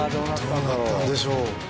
どうなったんでしょう？